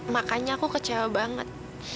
makanya aku kecewa banget